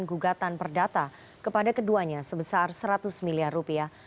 gugatan perdata kepada keduanya sebesar seratus miliar rupiah